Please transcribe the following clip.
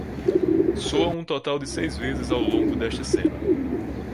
Soa um total de seis vezes ao longo desta cena.